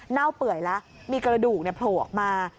เน่าเปื่อยแล้วมีกระดูกโผล่ออกมา